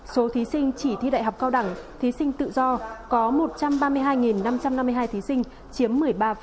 số thí sinh chỉ thi đại học cao đẳng thí sinh tự do có một trăm ba mươi hai năm trăm năm mươi hai thí sinh chiếm một mươi ba